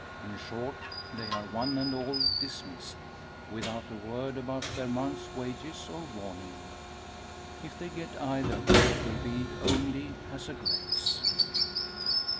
In short, they are one and all dismissed, without a word about the month's wages or warning! If they get either, 'twill be only as a grace.